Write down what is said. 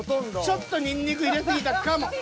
ちょっとニンニク入れ過ぎたかも。